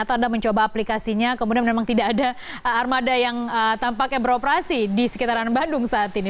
atau anda mencoba aplikasinya kemudian memang tidak ada armada yang tampaknya beroperasi di sekitaran bandung saat ini